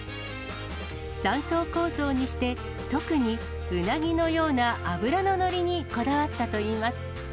三層構造にして、特にうなぎのような脂の乗りにこだわったといいます。